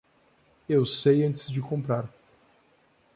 Eu sei antes de comprar.